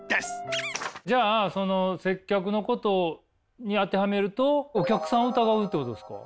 じゃあその接客のことに当てはめるとお客さんを疑うってことですか？